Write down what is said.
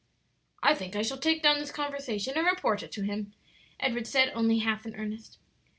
"I think I shall take down this conversation and report it to him," Edward said, only half in earnest.